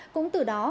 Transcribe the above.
cũng từ đó